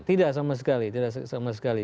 tidak sama sekali